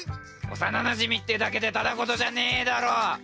幼なじみってだけでただごとじゃねぇだろ！